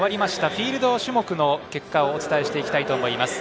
フィールド種目の結果をお伝えします。